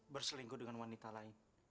berselingkuh dengan wanita lain